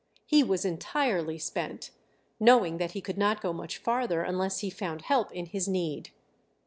He was entirely spent, knowing that he could not go much farther unless he found help in his need.